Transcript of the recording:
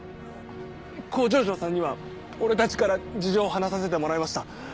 工場長さんには俺たちから事情を話させてもらいました。